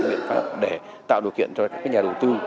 để tạo điều kiện cho các nhà đầu tư